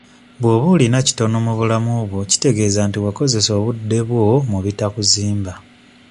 Bw'oba olina kitono mu bulamu bwo kitegeeza nti wakozesa obudde bwo mu bitakuzimba.